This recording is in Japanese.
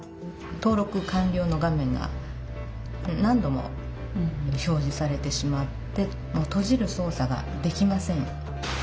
登録完りょうの画面が何度も表じされてしまってもうとじるそう作ができません。